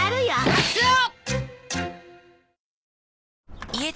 カツオ！